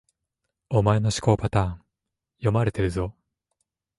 お前の思考パターン、読まれてるぞ